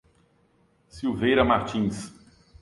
Silveira Martins